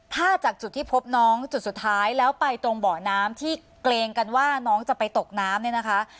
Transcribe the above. ถ้าจากจุดที่พบน้องจุดสุดท้ายแล้วไปตรงเบาะน้ำที่เกรงกันว่าน้องจะไปตกน้ำเนี่ยนะคะ